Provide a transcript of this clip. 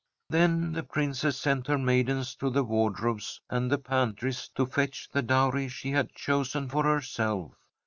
* Then the Princess sent her maidens to the M^ardrobes and the pantries to fetch the dowry she had chosen for herself.